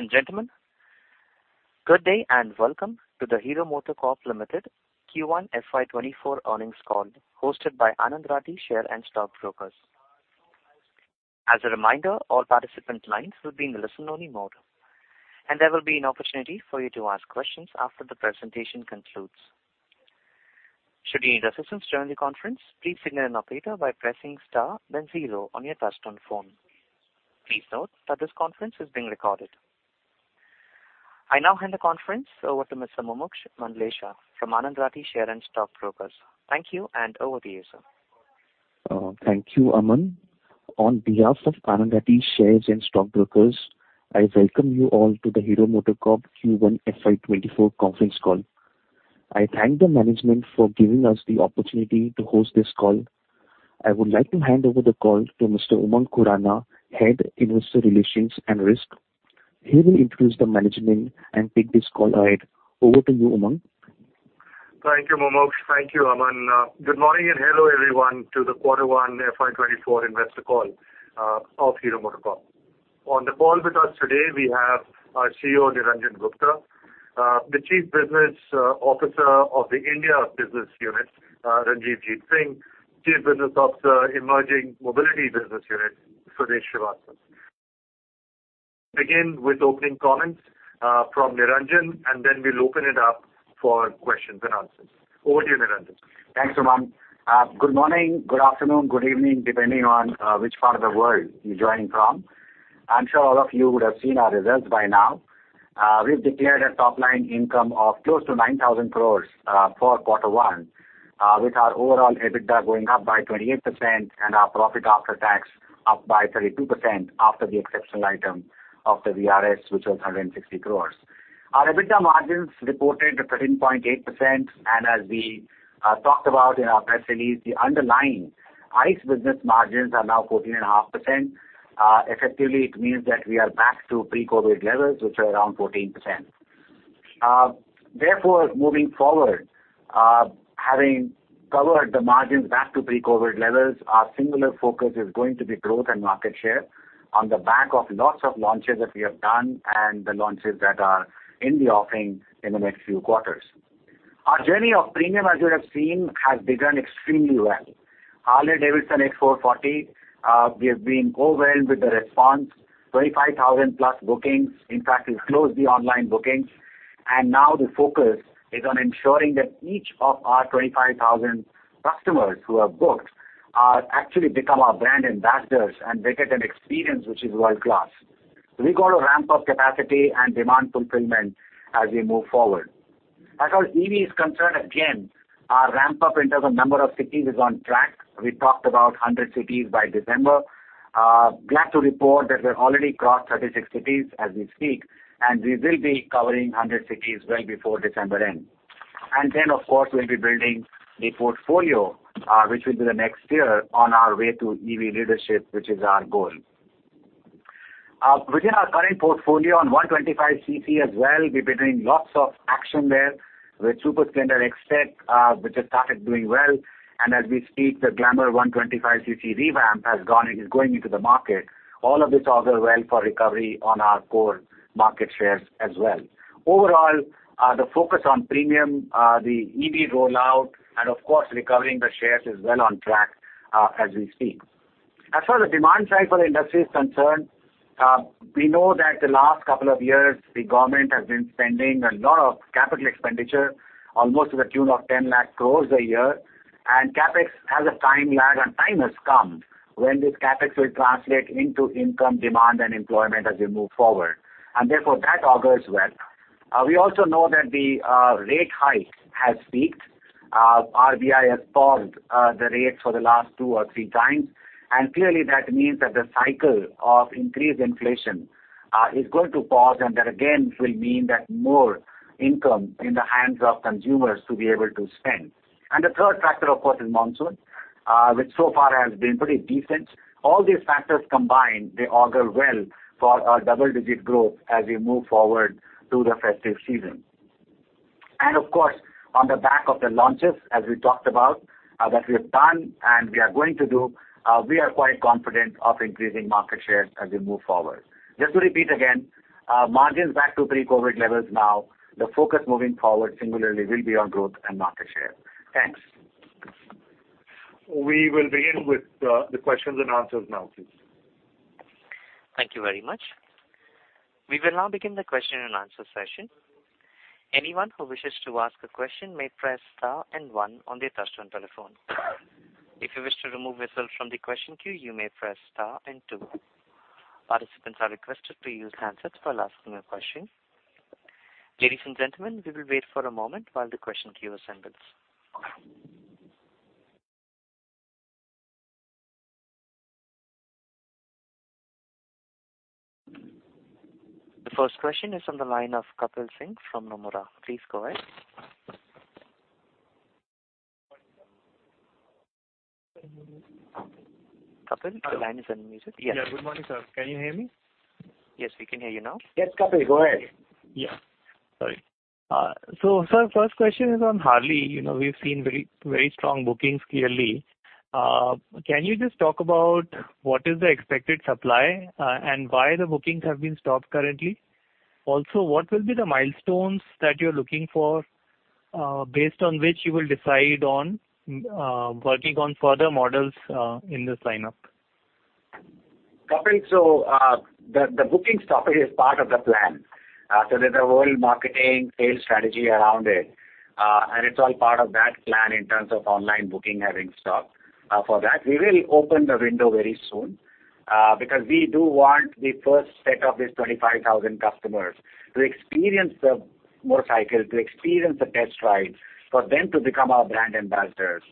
Ladies and gentlemen, good day, and welcome to the Hero MotoCorp Limited Q1 FY '24 earnings call, hosted by Anand Rathi Shares and Stock Brokers. As a reminder, all participant lines will be in the listen-only mode, and there will be an opportunity for you to ask questions after the presentation concludes. Should you need assistance during the conference, please signal an operator by pressing star, then zero on your touchtone phone. Please note that this conference is being recorded. I now hand the conference over to Mr. Mumuksh Mandlesha from Anand Rathi Shares and Stock Brokers. Thank you, and over to you, sir. Thank you, Aman. On behalf of Anand Rathi Shares and Stock Brokers, I welcome you all to the Hero MotoCorp Q1 FY '24 conference call. I thank the management for giving us the opportunity to host this call. I would like to hand over the call to Mr. Umang Khurana, Head, Investor Relations and Risk. He will introduce the management and take this call ahead. Over to you, Umang. Thank you, Mumuksh. Thank you, Aman. Good morning, and hello, everyone, to the Quarter One FY '24 investor call, of Hero MotoCorp. On the call with us today, we have our CEO, Niranjan Gupta, the Chief Business Officer of the India Business Unit, Ranjivjit Singh Chief Business Officer, Emerging Mobility Business Unit, Swadesh Srivastava.Begin with opening comments from Niranjan, and then we'll open it up for questions and answers. Over to you, Niranjan. Thanks, Umang. Good morning, good afternoon, good evening, depending on which part of the world you're joining from. I'm sure all of you would have seen our results by now. We've declared a top-line income of close to 9,000 crore for Q1, with our overall EBITDA going up by 28% and our profit after tax up by 32% after the exceptional item of the VRS, which was 160 crore. Our EBITDA margins reported 13.8%, and as we talked about in our press release, the underlying ICE business margins are now 14.5%. Effectively, it means that we are back to pre-COVID levels, which are around 14%. Therefore, moving forward, having covered the margins back to pre-COVID levels, our singular focus is going to be growth and market share on the back of lots of launches that we have done and the launches that are in the offing in the next few quarters. Our journey of premium, as you have seen, has begun extremely well.X440, we have been overwhelmed with the response. 25,000+ bookings. In fact, we've closed the online bookings, and now the focus is on ensuring that each of our 25,000 customers who have booked, actually become our brand ambassadors, and they get an experience which is world-class. We've got to ramp up capacity and demand fulfillment as we move forward. As our EV is concerned, again, our ramp-up in terms of number of cities is on track. We talked about 100 cities by December. Glad to report that we've already crossed 36 cities as we speak. We will be covering 100 cities well before December end. Then, of course, we'll be building the portfolio, which will be the next year on our way to EV leadership, which is our goal. Within our current portfolio on 125 cc as well, we've been doing lots of action there with Super Splendor XTEC, which has started doing well. As we speak, the Glamour 125 cc revamp has gone and is going into the market. All of this augur well for recovery on our core market shares as well. Overall, the focus on premium, the EV rollout, and of course, recovering the shares is well on track, as we speak. As far as the demand side for the industry is concerned, we know that the last couple of years, the government has been spending a lot of capital expenditure, almost to the tune of 1,000,000 crore a year, and CapEx has a time lag, and time has come when this CapEx will translate into income, demand, and employment as we move forward. Therefore, that augurs well. We also know that the rate hike has peaked. RBI has paused the rates for the last two or three times, and clearly, that means that the cycle of increased inflation is going to pause, and that, again, will mean that more income in the hands of consumers to be able to spend. The third factor, of course, is monsoon, which so far has been pretty decent. All these factors combined, they augur well for a double-digit growth as we move forward through the festive season. Of course, on the back of the launches, as we talked about, that we have done and we are going to do, we are quite confident of increasing market share as we move forward. Just to repeat again, margins back to pre-COVID levels now. The focus moving forward similarly will be on growth and market share. Thanks. We will begin with the questions and answers now, please. Thank you very much. We will now begin the question and answer session. Anyone who wishes to ask a question may press star 1 on their touchtone telephone. If you wish to remove yourself from the question queue, you may press star 2. Participants are requested to use handsets while asking a question. Ladies and gentlemen, we will wait for a moment while the question queue assembles. The first question is on the line of Kapil Singh from Nomura. Please go ahead. Kapil, the line is unmuted. Yes. Yeah, good morning, sir. Can you hear me? Yes, we can hear you now. Yes, Kapil, go ahead. Yeah. Sorry. Sir, first question is on Harley. You know, we've seen very, very strong bookings, clearly. Can you just talk about what is the expected supply, and why the bookings have been stopped currently? Also, what will be the milestones that you're looking for, based on which you will decide on, working on further models, in this lineup? Kapil, so, the, the booking stoppage is part of the plan. So there's a whole marketing sales strategy around it, and it's all part of that plan in terms of online booking having stopped. For that, we will open the window very soon, because we do want the first set of this 25,000 customers to experience the motorcycle, to experience the test drive, for them to become our brand ambassadors.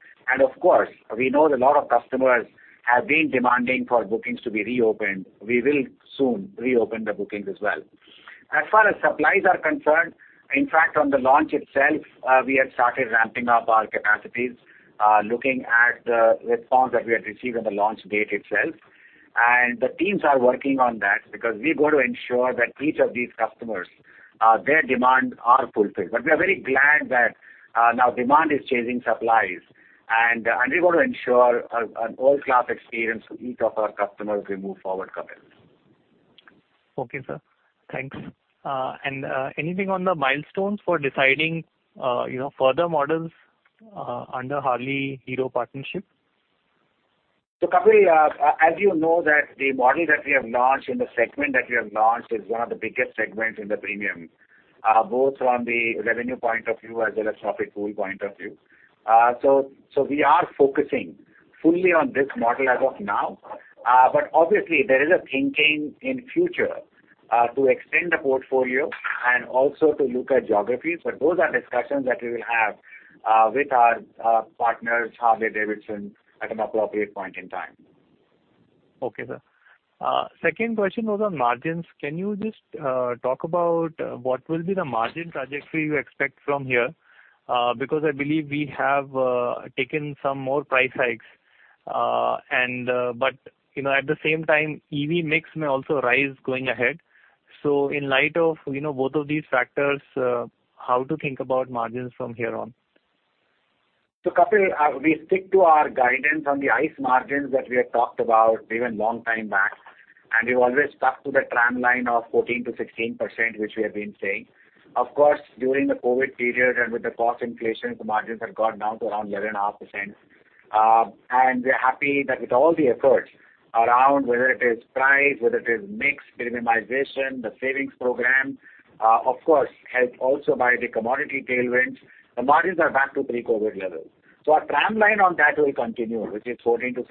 Of course, we know that a lot of customers have been demanding for bookings to be reopened. We will soon reopen the bookings as well. As far as supplies are concerned, in fact, on the launch itself, we had started ramping up our capacities, looking at the response that we had received on the launch date itself. The teams are working on that because we got to ensure that each of these customers, their demand are fulfilled. We are very glad that, now demand is chasing supplies, and we want to ensure an world-class experience to each of our customers we move forward, Kapil. Okay, sir. Thanks. Anything on the milestones for deciding, you know, further models under Harley-Hero partnership? Kapil, as you know, that the model that we have launched in the segment that we have launched is one of the biggest segments in the premium, both from the revenue point of view as well as profit pool point of view. We are focusing fully on this model as of now. Obviously, there is a thinking in future to extend the portfolio and also to look at geographies, but those are discussions that we will have with our partners, Harley-Davidson, at an appropriate point in time. Okay, sir. second question was on margins. Can you just talk about what will be the margin trajectory you expect from here? Because I believe we have taken some more price hikes. you know, at the same time, EV mix may also rise going ahead. in light of, you know, both of these factors, how to think about margins from here on? Kapil, we stick to our guidance on the ICE margins that we had talked about even long time back, and we've always stuck to the tramline of 14%-16%, which we have been saying. Of course, during the COVID period and with the cost inflation, the margins had gone down to around 11.5%. And we're happy that with all the efforts around whether it is price, whether it is mix, premiumization, the savings program, of course, helped also by the commodity tailwinds, the margins are back to pre-COVID levels. Our tramline on that will continue, which is 14%-16%.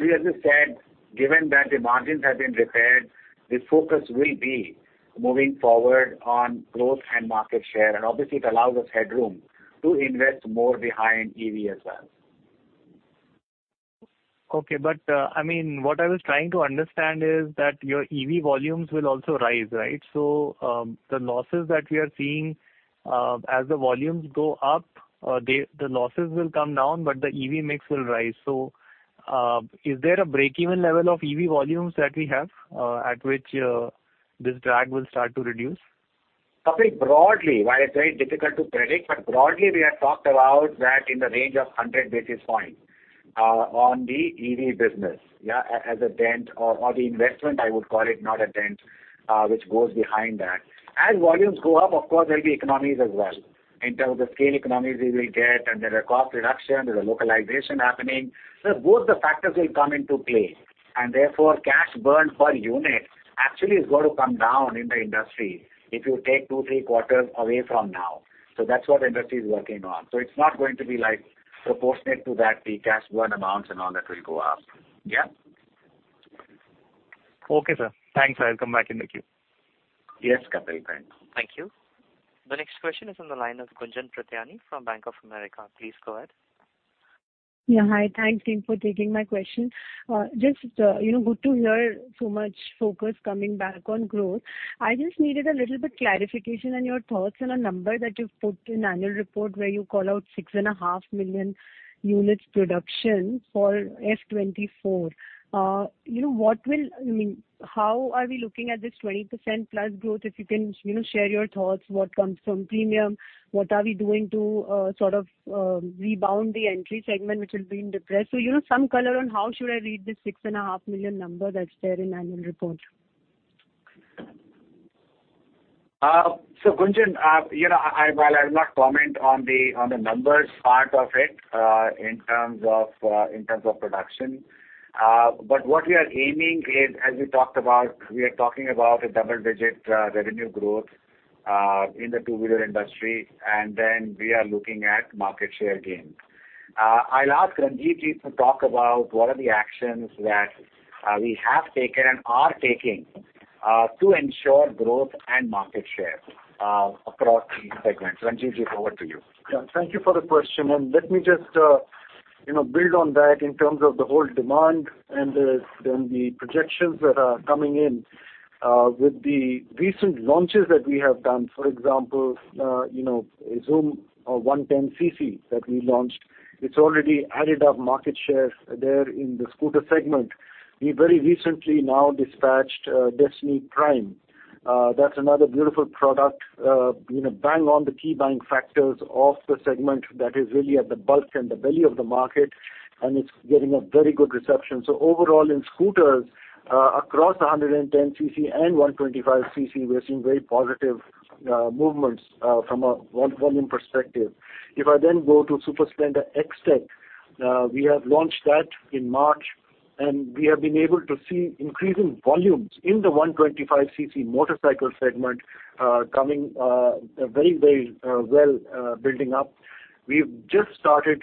We just said, given that the margins have been repaired, the focus will be moving forward on growth and market share, and obviously, it allows us headroom to invest more behind EV as well. Okay. I mean, what I was trying to understand is that your EV volumes will also rise, right? The losses that we are seeing, as the volumes go up, they-- the losses will come down, but the EV mix will rise. Is there a break-even level of EV volumes that we have, at which, this drag will start to reduce? Kapil, broadly, while it's very difficult to predict, but broadly, we have talked about that in the range of hundred basis points on the EV business, yeah, as a dent or, or the investment, I would call it, not a dent, which goes behind that. As volumes go up, of course, there'll be economies as well. In terms of the scale economies we will get, and there are cost reduction, there's a localization happening. Both the factors will come into play, and therefore, cash burn per unit actually is going to come down in the industry if you take two, three quarters away from now. That's what the industry is working on. It's not going to be like proportionate to that, the cash burn amounts and all that will go up. Yeah? Okay, sir. Thanks. I'll come back in the queue. Yes, Kapil. Thanks. Thank you. The next question is on the line of Gunjan Prithyani from Bank of America. Please go ahead. Yeah, hi. Thanks, team, for taking my question. Just, you know, good to hear so much focus coming back on growth. I just needed a little bit clarification on your thoughts on a number that you've put in annual report, where you call out 6.5 million units production for FY24. You know, what will... I mean, how are we looking at this 20%+ growth, if you can, you know, share your thoughts, what comes from premium? What are we doing to, sort of, rebound the entry segment, which has been depressed? So, you know, some color on how should I read this 6.5 million number that's there in annual report. Gunjan, you know, I, well, I'll not comment on the, on the numbers part of it, in terms of, in terms of production. What we are aiming is, as we talked about, we are talking about a double-digit, revenue growth, in the two-wheeler industry, and then we are looking at market share gains. I'll ask Ranjit Ji to talk about what are the actions that, we have taken and are taking, to ensure growth and market share, across the segments. Ranjeet Ji, over to you. Yeah, thank you for the question, and let me just, you know, build on that in terms of the whole demand and the, then the projections that are coming in. With the recent launches that we have done, for example, you know, Xoom that we launched, it's already added up market share there in the scooter segment. We very recently now dispatched Destini Prime. That's another beautiful product, you know, bang on the key buying factors of the segment that is really at the bulk and the belly of the market, and it's getting a very good reception. So overall, in scooters, across 110cc and 125cc, we're seeing very positive movements from a volume perspective. If I then go to Super Splendor XTEC, we have launched that in March, and we have been able to see increasing volumes in the 125cc motorcycle segment, coming, very, very, well, building up. We've just started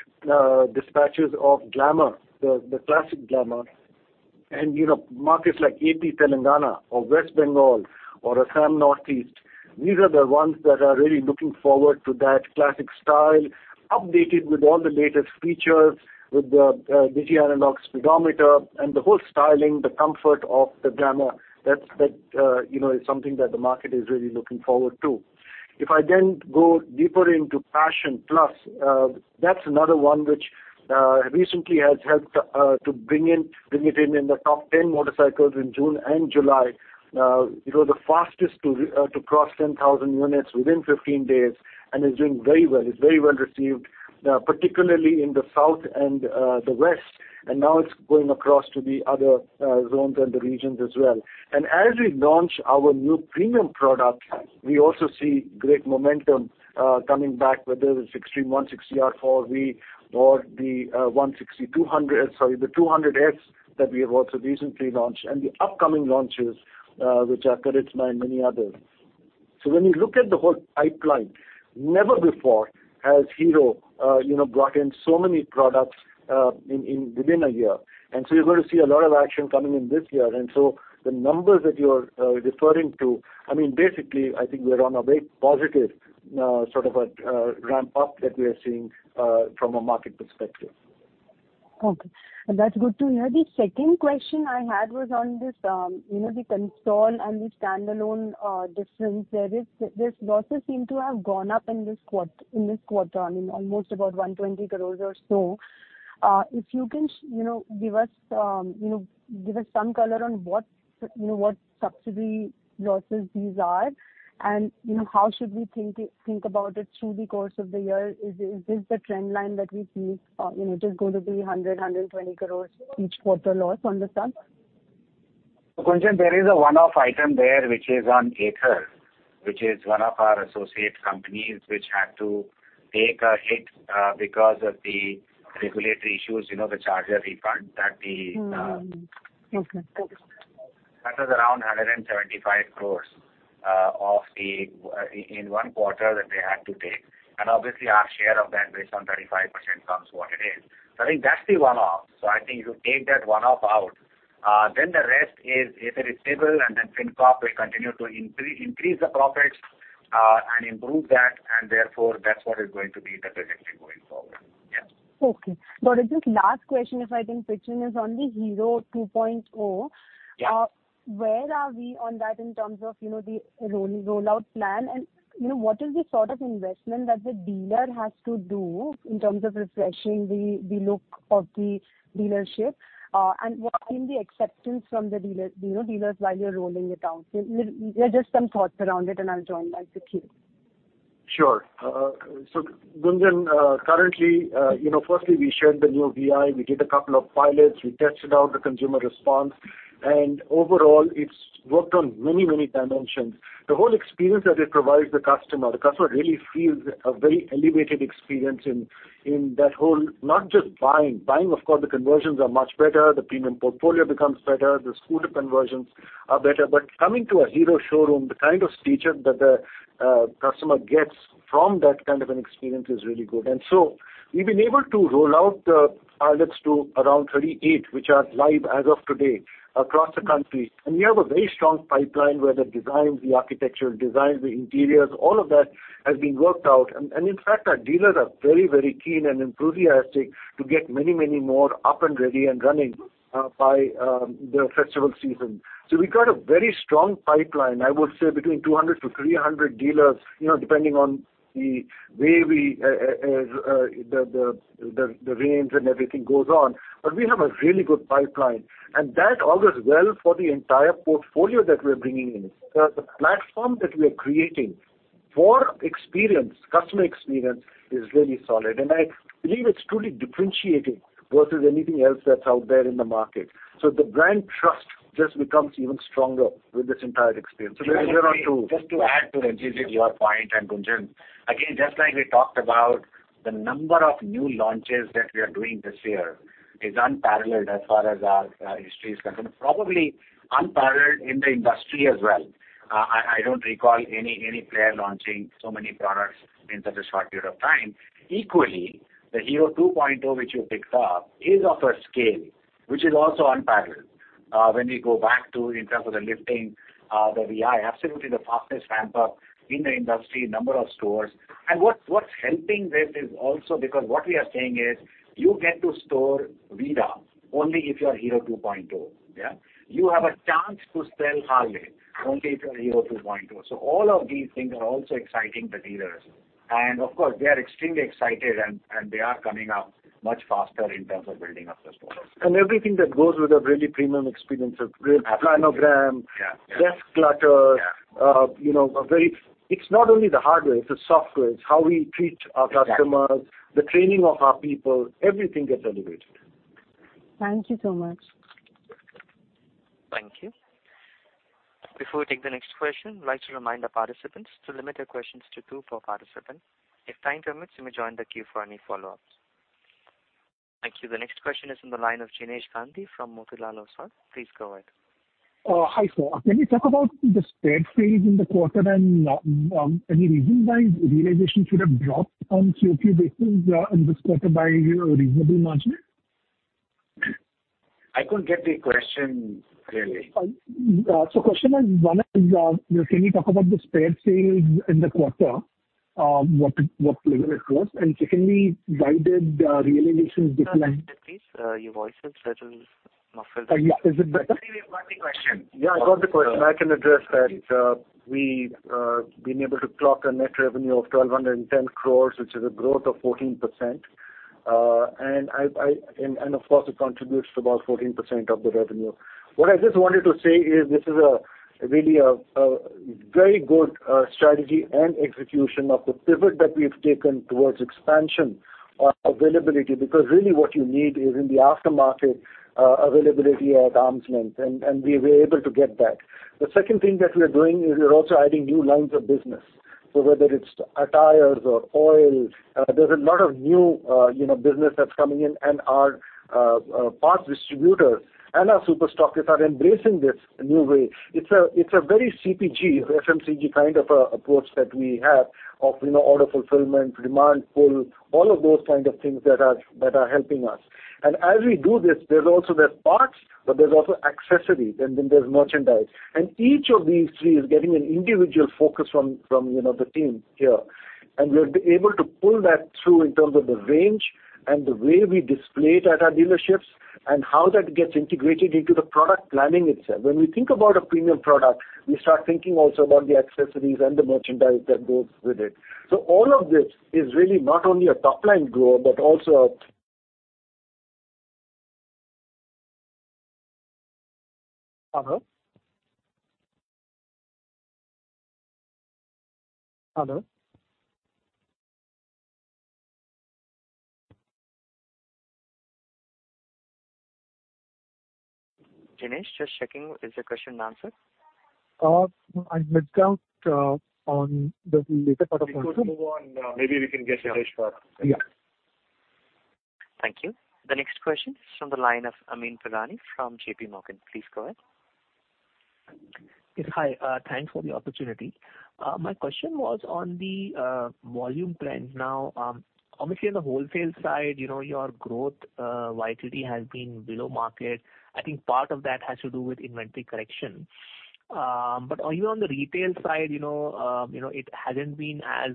dispatches of Glamour, the, the classic Glamour. You know, markets like AP Telangana or West Bengal or Assam Northeast, these are the ones that are really looking forward to that classic style, updated with all the latest features, with the digital-analog speedometer and the whole styling, the comfort of the Glamour. That's, that, you know, is something that the market is really looking forward to. If I then go deeper into Passion Plus, that's another one which recently has helped to bring in, bring it in, in the top 10 motorcycles in June and July. It was the fastest to cross 10,000 units within 15 days, is doing very well. It's very well received, particularly in the south and the west, now it's going across to the other zones and the regions as well. As we launch our new premium products, we also see great momentum coming back, whether it's Xtreme 160R, or V, or the 160, 200. Sorry, the Hero Xtreme 200S that we have also recently launched, the upcoming launches, which are Karizma and many others. When you look at the whole pipeline, never before has Hero, you know, brought in so many products in within a year. You're going to see a lot of action coming in this year. The numbers that you're referring to, I mean, basically, I think we are on a very positive sort of a ramp up that we are seeing from a market perspective. Okay. That's good to hear. The second question I had was on this, you know, the console and the standalone, difference. These losses seem to have gone up in this quarter, I mean, almost about 120 crore or so. If you can, you know, give us, you know, give us some color on what, you know, what subsidy losses these are, and, you know, how should we think, think about it through the course of the year? Is, is this the trend line that we see, you know, it is going to be 100-120 crore each quarter loss on the sub? Gunjan, there is a one-off item there, which is on Ather, which is one of our associate companies, which had to take a hit, because of the regulatory issues, you know, the charger refund that the. Mm-hmm. Okay. That was around 175 crore of the in one quarter that they had to take. Obviously, our share of that based on 35% comes what it is. I think that's the one-off. I think you take that one-off out, then the rest is Ather is stable, then FinCorp will continue to increase the profits and improve that, therefore that's what is going to be the trajectory going forward. Yeah. Okay. Rajesh, last question, if I can pitch in, is on the Hero 2.0. Yeah. Where are we on that in terms of, you know, the rollout plan? You know, what is the sort of investment that the dealer has to do in terms of refreshing the, the look of the dealership? What has been the acceptance from the dealer, you know, dealers while you're rolling it out? Just some thoughts around it, and I'll join back to you. Sure. So Gunjan, currently, you know, firstly, we shared the new VI. We did a couple of pilots. We tested out the consumer response. Overall, it's worked on many, many dimensions. The whole experience that it provides the customer, the customer really feels a very elevated experience in, in that whole, not just buying. Buying, of course, the conversions are much better, the premium portfolio becomes better, the scooter conversions are better. Coming to a Hero showroom, the kind of feature that the customer gets from that kind of an experience is really good. So we've been able to roll out the pilots to around 38, which are live as of today across the country. We have a very strong pipeline where the designs, the architectural designs, the interiors, all of that has been worked out. In fact, our dealers are very, very keen and enthusiastic to get many, many more up and ready and running, by the festival season. We've got a very strong pipeline, I would say between 200-300 dealers, you know, depending on the way we, the range and everything goes on. We have a really good pipeline, and that bodes well for the entire portfolio that we're bringing in. The platform that we are creating for experience, customer experience, is very solid, and I believe it's truly differentiating versus anything else that's out there in the market. The brand trust just becomes even stronger with this entire experience. There are 1 or 2- Just to add to, Rajesh, your point, and Gunjan, again, just like we talked about, the number of new launches that we are doing this year is unparalleled as far as our history is concerned. Probably unparalleled in the industry as well. I, I don't recall any, any player launching so many products in such a short period of time. Equally, the Hero 2.0, which you picked up, is of a scale which is also unparalleled. When we go back to in terms of the lifting, the VI, absolutely the fastest ramp-up in the industry, number of stores. What's, what's helping this is also because what we are saying is, "You get to store VIDA only if you're Hero 2.0." Yeah? You have a chance to sell Harley only if you're Hero 2.0. All of these things are also exciting the dealers. Of course, they are extremely excited and, and they are coming up much faster in terms of building up the stores. Everything that goes with a really premium experience, a great planogram. Yeah. less clutter. Yeah. You know, It's not only the hardware, it's the software. It's how we treat our customers. Exactly. the training of our people, everything gets elevated. Thank you so much. Thank you. Before we take the next question, I'd like to remind our participants to limit their questions to two per participant. If time permits, you may join the queue for any follow-ups. Thank you. The next question is on the line of Jinesh Gandhi from Motilal Oswal. Please go ahead. Hi, sir. Can you talk about the spare sales in the quarter and any reason why realization should have dropped on QOQ basis in this quarter by a reasonable margin? I couldn't get the question clearly. Question is, one is, can you talk about the spare sales in the quarter, what, what level it was? Secondly, why did realizations decline... Please, your voice is little muffled. Yeah. Is it better? We got the question. Yeah, I got the question. I can address that. We been able to clock a net revenue of 1,210 crore, which is a growth of 14%. Of course, it contributes to about 14% of the revenue. What I just wanted to say is, this is a really a very good strategy and execution of the pivot that we've taken towards expansion of availability, because really what you need is in the aftermarket, availability at arm's length, and we were able to get that. The second thing that we are doing is we are also adding new lines of business. Whether it's attires or oil, there's a lot of new, you know, business that's coming in, and our parts distributors and our super stockists are embracing this new way. It's a, it's a very CPG, FMCG kind of approach that we have of, you know, order fulfillment, demand pull, all of those kind of things that are, that are helping us. As we do this, there's also the parts, but there's also accessories, and then there's merchandise. Each of these three is getting an individual focus from, from, you know, the team here. We've been able to pull that through in terms of the range and the way we display it at our dealerships, and how that gets integrated into the product planning itself. When we think about a premium product, we start thinking also about the accessories and the merchandise that goes with it. All of this is really not only a top-line growth, but also a- Hello? Hello? Jinesh, just checking, is your question answered? I missed out on the later part of the question. We could move on. Maybe we can get Suresh for that. Yeah. Thank you. The next question is from the line ofAmyn Pirani from J.P. Morgan. Please go ahead. Yes, hi. Thanks for the opportunity. My question was on the volume trend. Now, obviously, on the wholesale side, you know, your growth, YTD has been below market. I think part of that has to do with inventory correction. Even on the retail side, you know, you know, it hasn't been as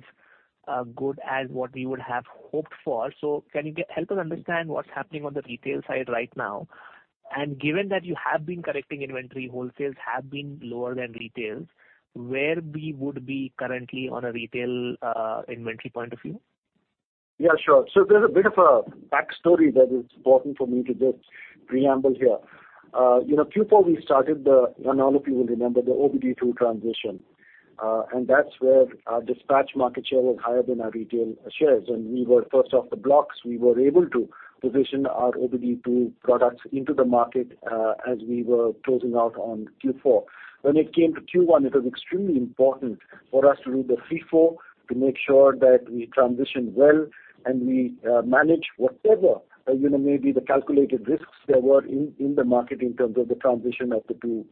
good as what we would have hoped for. Can you help us understand what's happening on the retail side right now? Given that you have been correcting inventory, wholesales have been lower than retails, where we would be currently on a retail, inventory point of view? Yeah, sure. So there's a bit of a backstory that is important for me to just preamble here. You know, Q4, we started the, and all of you will remember, the OBD-II transition, and that's where our dispatch market share was higher than our retail shares. We were first off the blocks. We were able to position our OBD-II products into the market, as we were closing out on Q4. When it came to Q1, it was extremely important for us to do the FIFO, to make sure that we transition well and we, manage whatever, you know, maybe the calculated risks there were in, in the market in terms of the transition of the two,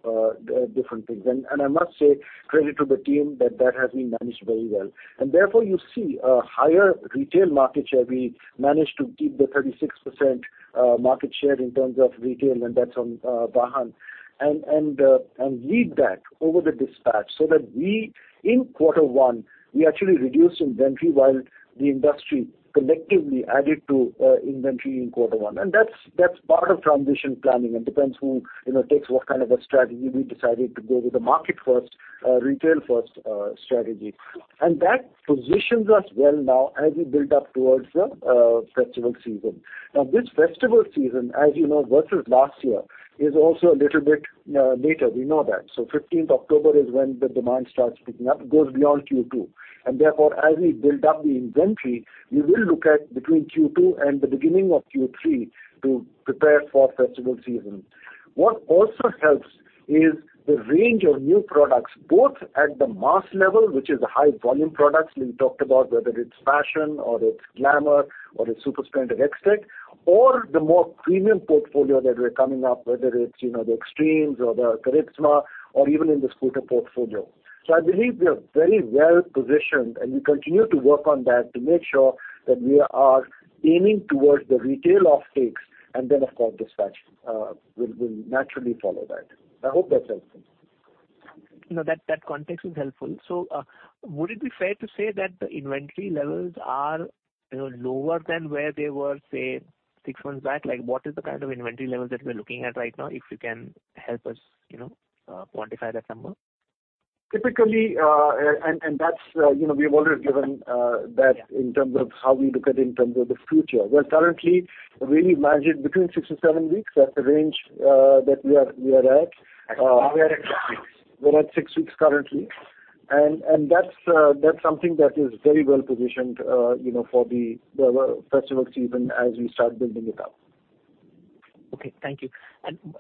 different things. I must say, credit to the team, that that has been managed very well. Therefore, you see a higher retail market share. We managed to keep the 36% market share in terms of retail, and that's on VAHAN, and, and, and lead that over the dispatch so that we, in quarter one, we actually reduced inventory while the industry collectively added to inventory in quarter one. That's, that's part of transition planning and depends who, you know, takes what kind of a strategy. We decided to go with the market first, retail first, strategy. That positions us well now as we build up towards the festival season. This festival season, as you know, versus last year, is also a little bit later. We know that. 15th October is when the demand starts picking up, goes beyond Q2. Therefore, as we build up the inventory, we will look at between Q2 and the beginning of Q3 to prepare for festival season. What also helps is the range of new products, both at the mass level, which is the high volume products we talked about, whether it's Passion or it's Glamour or it's Super Splendor XTEC, or the more premium portfolio that we're coming up, whether it's, you know, the Xtreme or the Karizma, or even in the scooter portfolio. I believe we are very well positioned, and we continue to work on that to make sure that we are aiming towards the retail off takes, and then, of course, dispatch will, will naturally follow that. I hope that's helpful. No, that, that context is helpful. Would it be fair to say that the inventory levels are, you know, lower than where they were, say, 6 months back? Like, what is the kind of inventory levels that we're looking at right now, if you can help us, you know, quantify that number? ...Typically, and, and that's, you know, we have already given that in terms of how we look at it in terms of the future. We're currently really managed between six to seven weeks, at the range that we are, we are at. Now we are at 6 weeks. We're at six weeks currently. That's something that is very well positioned, you know, for the festival season as we start building it up. Okay, thank you.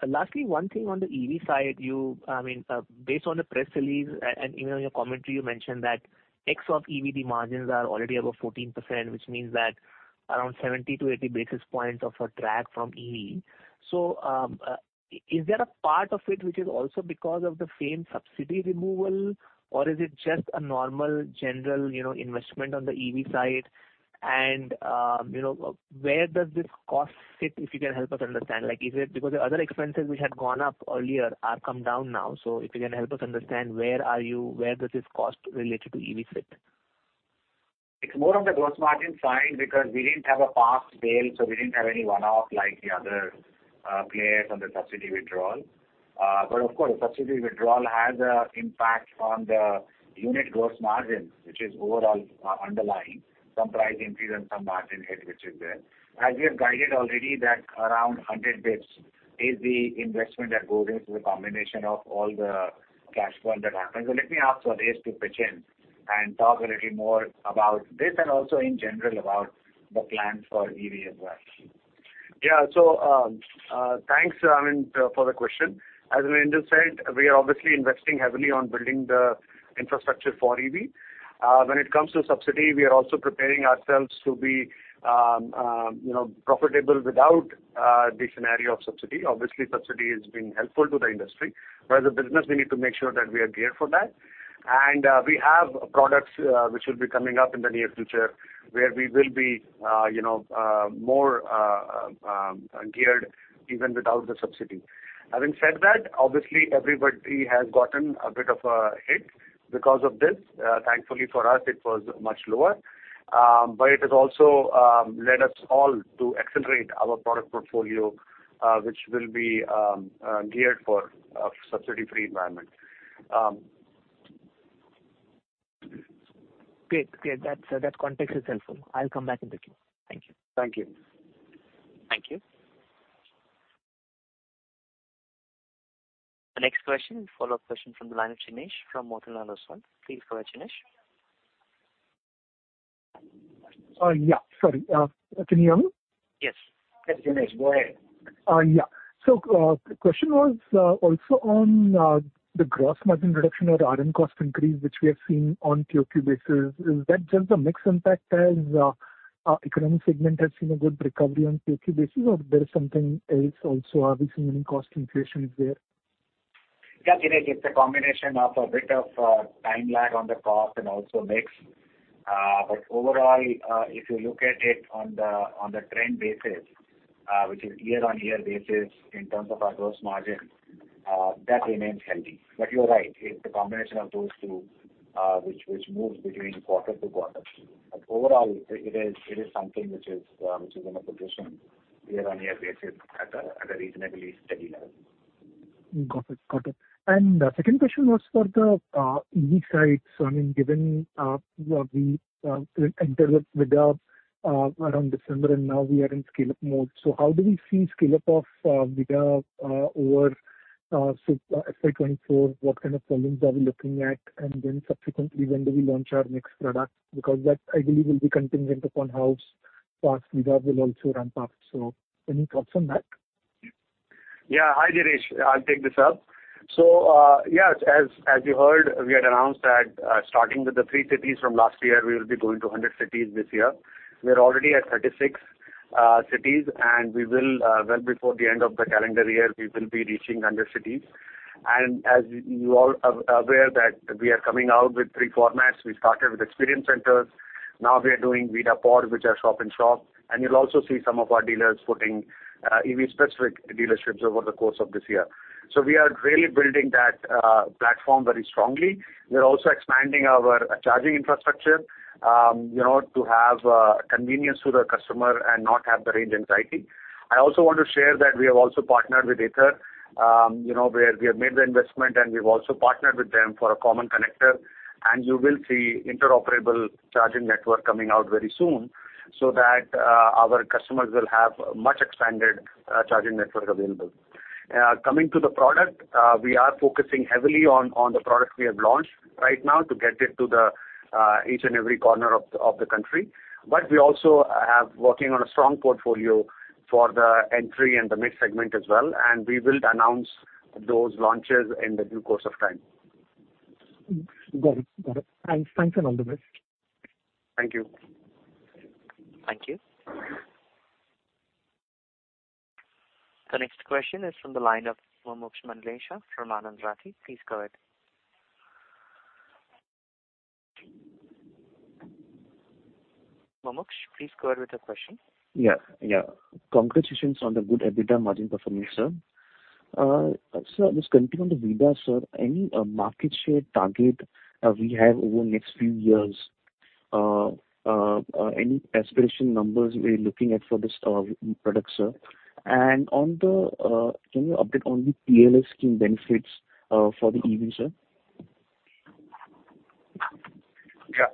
Lastly, one thing on the EV side, I mean, based on the press release and even in your commentary, you mentioned that ex of EVD margins are already above 14%, which means that around 70-80 basis points of a drag from EV. Is there a part of it which is also because of the same subsidy removal, or is it just a normal general, you know, investment on the EV side? You know, where does this cost fit, if you can help us understand? Like, is it because the other expenses which had gone up earlier are come down now. If you can help us understand, where does this cost related to EV fit? It's more of the gross margin side, because we didn't have a past sale, so we didn't have any one-off like the other players on the subsidy withdrawal. Of course, the subsidy withdrawal has a impact on the unit gross margin, which is overall, underlying some price increase and some margin hit, which is there. As we have guided already, that around 100 bits is the investment that goes into the combination of all the cash flow that happens. Let me ask Suresh to pitch in and talk a little more about this, and also in general, about the plan for EV as well. Yeah. Thanks, Arvind, for the question. As Arvind just said, we are obviously investing heavily on building the infrastructure for EV. When it comes to subsidy, we are also preparing ourselves to be, you know, profitable without the scenario of subsidy. Obviously, subsidy has been helpful to the industry. As a business, we need to make sure that we are geared for that. We have products, which will be coming up in the near future, where we will be, you know, more geared even without the subsidy. Having said that, obviously everybody has gotten a bit of a hit because of this. Thankfully for us, it was much lower. It has also led us all to accelerate our product portfolio, which will be geared for a subsidy-free environment. Great. Great, that context is helpful. I'll come back in the queue. Thank you. Thank you. Thank you. The next question, follow-up question from the line of Jinesh from Motilal Oswal. Please go ahead, Jinesh. Yeah, sorry, can you hear me? Yes. Jinesh, go ahead. Yeah. The question was, also on, the gross margin reduction or RM cost increase, which we have seen on QOQ basis. Is that just a mix impact as, our economic segment has seen a good recovery on QOQ basis, or there is something else also, are we seeing any cost increases there? Yeah, Jinesh, it's a combination of a bit of time lag on the cost and also mix. Overall, if you look at it on the, on the trend basis, which is year-on-year basis in terms of our gross margin, that remains healthy. You're right, it's a combination of those two, which, which moves between quarter-to-quarter. Overall, it, it is, it is something which is, which is in a position year-on-year basis at a, at a reasonably steady level. Got it. Got it. The second question was for the EV side. I mean, given what we entered with Vida around December, and now we are in scale-up mode. How do we see scale-up of Vida over FY24, what kind of volumes are we looking at? Then subsequently, when do we launch our next product? Because that, I believe, will be contingent upon how fast Vida will also ramp up. Any thoughts on that? Yeah. Hi, Jinesh. I'll take this up. Yes, as, as you heard, we had announced that, starting with the 3 cities from last year, we will be going to 100 cities this year. We are already at 36 cities, and we will, well, before the end of the calendar year, we will be reaching 100 cities. As you all are aware, that we are coming out with 3 formats. We started with experience centers. Now we are doing VIDA Pods, which are shop-in-shop, and you'll also see some of our dealers putting EV specific dealerships over the course of this year. We are really building that platform very strongly. We are also expanding our charging infrastructure, you know, to have convenience to the customer and not have the range anxiety. I also want to share that we have also partnered with Ather, you know, where we have made the investment, and we've also partnered with them for a common connector. You will see interoperable charging network coming out very soon, so that our customers will have much expanded charging network available. Coming to the product, we are focusing heavily on, on the product we have launched right now to get it to the each and every corner of the, of the country. We also have working on a strong portfolio for the entry and the mid segment as well, and we will announce those launches in the due course of time. Got it. Got it. Thanks, thanks. All the best. Thank you. Thank you. The next question is from the line of Mumuksh Mandlesha from Anand Rathi. Please go ahead. Mumuksh, please go ahead with your question. Yeah, yeah. Congratulations on the good EBITDA margin performance, sir. Sir, just continuing the VIDA, sir, any market share target we have over the next few years? Any aspiration numbers we're looking at for this product, sir? On the, can you update on the PLI scheme benefits for the EV, sir? Yeah.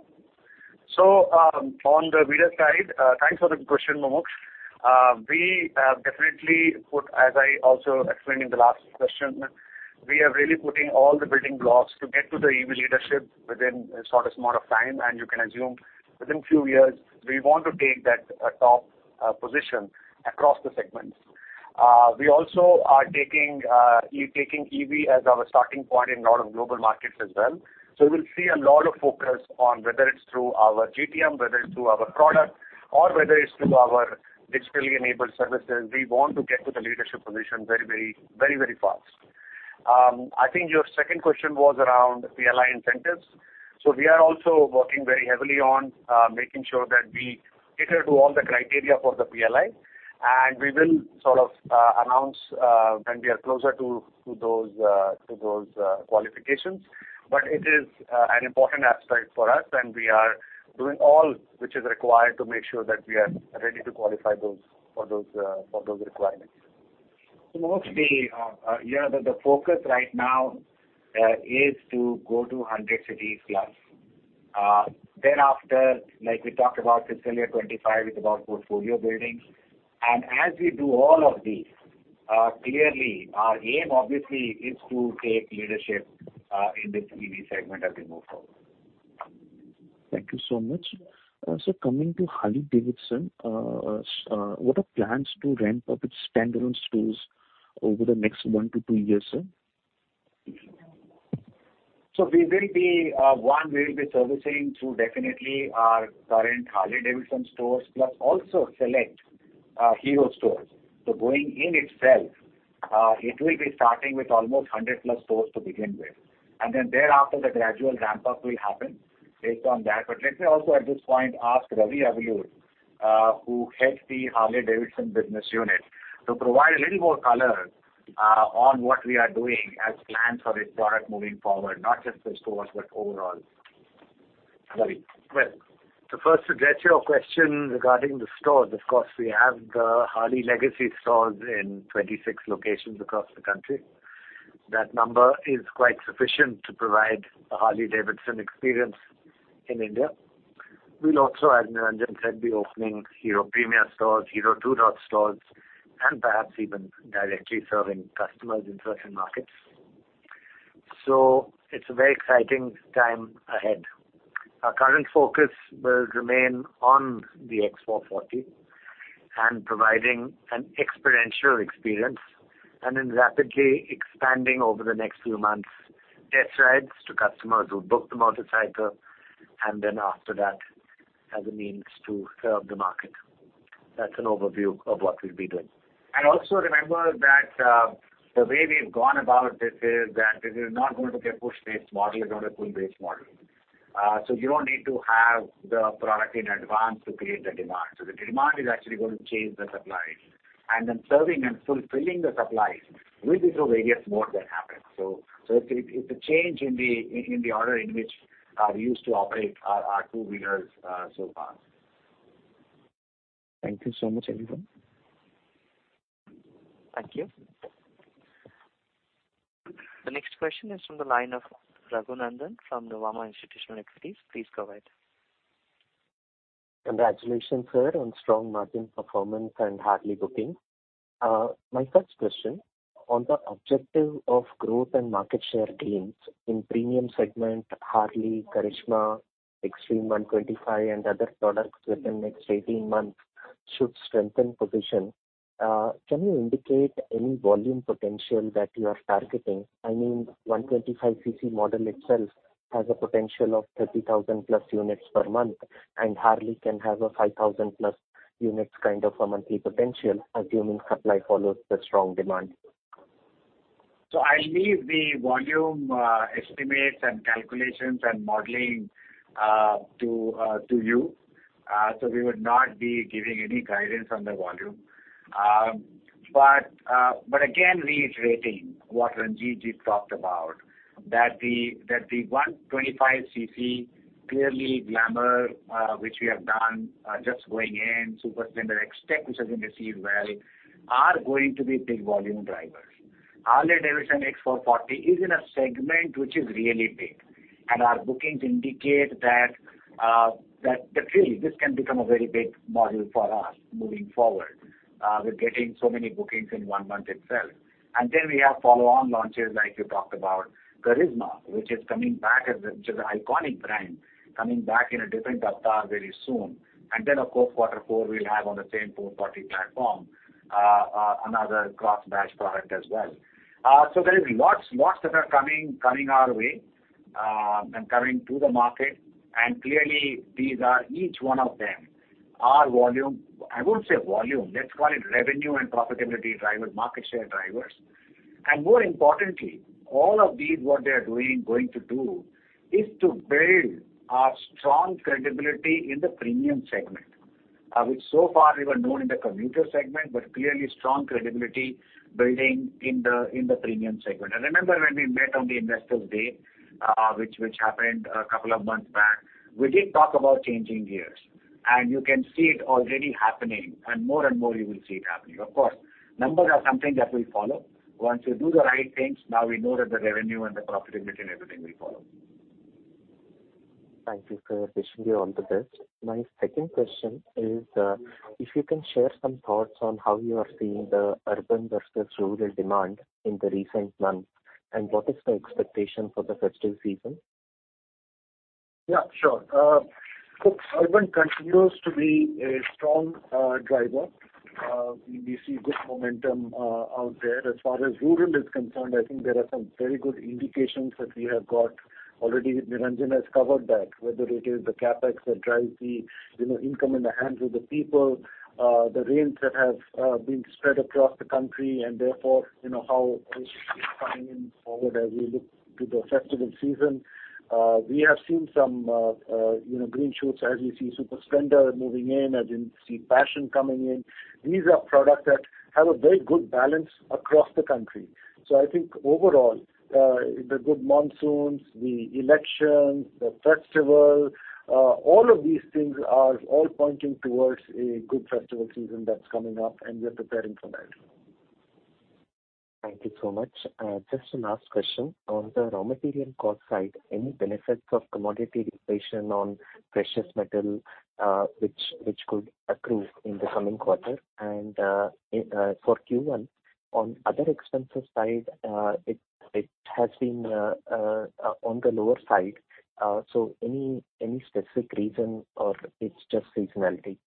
On the leader side, thanks for the question, Mumuksh. We have definitely put, as I also explained in the last question, we are really putting all the building blocks to get to the EV leadership within the shortest amount of time, and you can assume within few years, we want to take that top position across the segments. We also are taking EV as our starting point in a lot of global markets as well. We'll see a lot of focus on whether it's through our GTM, whether it's through our product, or whether it's through our digitally enabled services. We want to get to the leadership position very, very, very, very fast. I think your second question was around PLI incentives. We are also working very heavily on making sure that we cater to all the criteria for the PLI, and we will sort of announce when we are closer to those to those qualifications. It is an important aspect for us, and we are doing all which is required to make sure that we are ready to qualify those, for those for those requirements. Mostly, yeah, the focus right now is to go to 100 cities plus. Thereafter, like we talked about FY25, is about portfolio building. As we do all of these, clearly our aim obviously is to take leadership in this EV segment as we move forward. Thank you so much. Coming to Harley-Davidson, what are plans to ramp up its standalone stores over the next one to two years, sir? We will be, one, we will be servicing through definitely our current Harley-Davidson stores, plus also select Hero stores. Going in itself, it will be starting with almost 100 plus stores to begin with. Then thereafter, the gradual ramp up will happen based on that. Let me also at this point ask Ravi Avalur who heads the Harley-Davidson Business Unit, to provide a little more color on what we are doing as plans for this product moving forward, not just the stores, but overall. Ravi? First, to get your question regarding the stores, of course, we have the Harley legacy stores in 26 locations across the country. That number is quite sufficient to provide a Harley-Davidson experience in India. We'll also, as Niranjan said, be opening Hero Premia, Hero 2.0 stores, and perhaps even directly serving customers in certain markets. It's a very exciting time ahead. Our current focus will remain on the X 440, and providing an experiential experience, and then rapidly expanding over the next few months, test rides to customers who book the motorcycle, and then after that, as a means to serve the market. That's an overview of what we'll be doing. Also remember that, the way we've gone about this is that this is not going to be a push-based model, it's going to be a pull-based model. You don't need to have the product in advance to create the demand. The demand is actually going to change the supply. Then serving and fulfilling the supply will be through various modes that happen. It's, it's a change in the, in the order in which, we used to operate our, our two wheelers, so far. Thank you so much, everyone. Thank you. The next question is from the line of Raghunandan from Nuvama Institutional Equities. Please go ahead. Congratulations, sir, on strong margin performance and Harley booking. My first question, on the objective of growth and market share gains in premium segment, Harley, Karizma, Xtreme 160R and other products within next 18 months should strengthen position. Can you indicate any volume potential that you are targeting? I mean, 125cc model itself has a potential of 30,000 plus units per month, and Harley can have a 5,000 plus units, kind of a monthly potential, assuming supply follows the strong demand. I'll leave the volume, estimates and calculations and modeling, to, to you. We would not be giving any guidance on the volume. But again, reiterating what Ranjit just talked about, that the, that the 125cc, clearly Glamour, which we have done, just going in, Super Splendor XTEC, which has been received well, are going to be big volume drivers. Harley-Davidson X440 is in a segment which is really big, and our bookings indicate that, that, that really this can become a very big model for us moving forward. We're getting so many bookings in one month itself. Then we have follow-on launches, like you talked about Karizma, which is coming back, which is an iconic brand, coming back in a different avatar very soon. Of course, Q4, we'll have on the same 440 platform another cross batch product as well. There is lots, lots that are coming, coming our way and coming to the market, and clearly these are, each one of them, are volume... I won't say volume, let's call it revenue and profitability drivers, market share drivers. More importantly, all of these, what they are doing, going to do, is to build our strong credibility in the premium segment. Which so far we were known in the commuter segment, but clearly strong credibility building in the, in the premium segment. Remember when we met on the Investors Day, which, which happened 2 months back, we did talk about changing gears, and you can see it already happening, and more and more you will see it happening. Of course, numbers are something that will follow. Once you do the right things, now we know that the revenue and the profitability and everything will follow. Thank you, sir. Wishing you all the best. My second question is, if you can share some thoughts on how you are seeing the urban versus rural demand in the recent months, and what is the expectation for the festive season? Yeah, sure. Look, urban continues to be a strong driver. We, we see good momentum out there. As far as rural is concerned, I think there are some very good indications that we have got. Already Niranjan has covered that, whether it is the CapEx that drives the, you know, income in the hands of the people, the rains that have been spread across the country and therefore, you know, how it's coming in forward as we look to the festival season. We have seen some, you know, green shoots as we see Super Splendor moving in, as we see Passion coming in. These are products that have a very good balance across the country. I think overall, the good monsoons, the elections, the festival, all of these things are all pointing towards a good festival season that's coming up, and we are preparing for that. Thank you so much. Just a last question. On the raw material cost side, any benefits of commodity deflation on precious metal, which, which could accrue in the coming quarter? For Q1, on other expenses side, it, it has been, on the lower side. Any, any specific reason or it's just seasonality?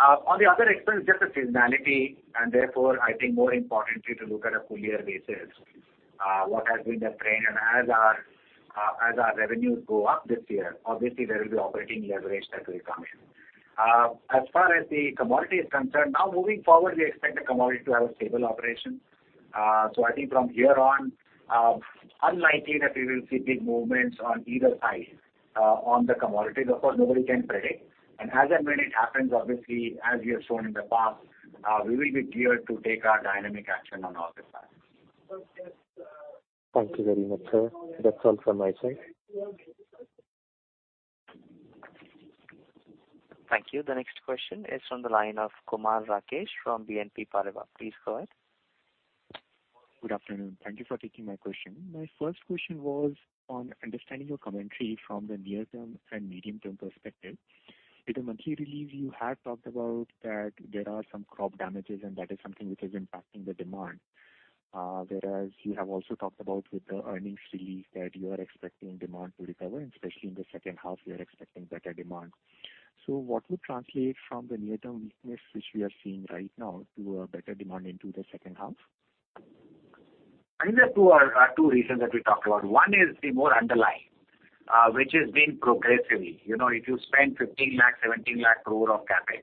On the other expense, just the seasonality, and therefore, I think more importantly to look at a full year basis, what has been the trend. As our, as our revenues go up this year, obviously there will be operating leverage that will come in. As far as the commodity is concerned, now moving forward, we expect the commodity to have a stable operation. So I think from here on, unlikely that we will see big movements on either side, on the commodity. Of course, nobody can predict. As and when it happens, obviously, as we have shown in the past, we will be geared to take our dynamic action on our side. Thank you very much, sir. That's all from my side. Thank you. The next question is from the line of Rakesh Kumar from BNP Paribas. Please go ahead. Good afternoon. Thank you for taking my question. My first question was on understanding your commentary from the near-term and medium-term perspective. In the monthly release, you had talked about that there are some crop damages, and that is something which is impacting the demand. Whereas you have also talked about with the earnings release that you are expecting demand to recover, and especially in the second half, you are expecting better demand. So what would translate from the near-term weakness, which we are seeing right now, to a better demand into the second half? I think there are two reasons that we talked about. One is the more underlying, which has been progressively. You know, if you spend 15 lakh crore-17 lakh crore of CapEx